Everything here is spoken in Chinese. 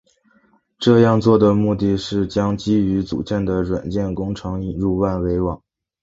这样做的目的是将基于组件的软件工程引入万维网。